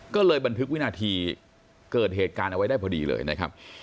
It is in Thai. ก็เลยบันทึกวินาทีเกิดเหตุการณ์เอาไว้ได้พอดีเลยนะครับ